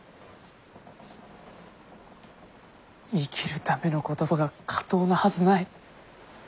生きるための言葉が下等なはずない。